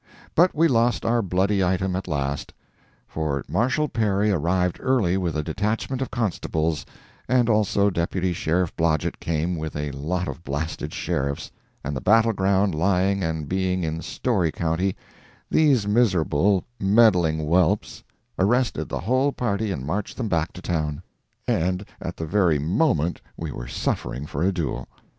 But we lost our bloody item at last—for Marshal Perry arrived early with a detachment of constables, and also Deputy Sheriff Blodgett came with a lot of blasted Sheriffs, and the battle ground lying and being in Storey county, these miserable, meddling whelps arrested the whole party and marched them back to town. And at the very moment that we were suffering for a duel.